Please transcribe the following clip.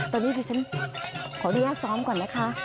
ตอนนี้ดูฉันขอเรียกซ้อมก่อนนะคะ